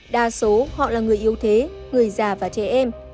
đa số họ là người yếu thế người già và trẻ em